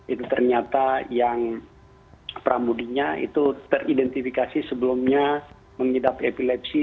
itu ternyata yang pramudinya itu teridentifikasi sebelumnya mengidap epilepsi